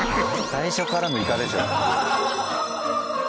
最初からのイカでしょ。